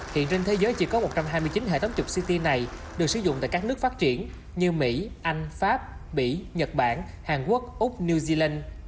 hiện trên thế giới chỉ có một trăm hai mươi chín hệ thống chụp ct này được sử dụng tại các nước phát triển như mỹ anh pháp mỹ nhật bản hàn quốc úc new zealand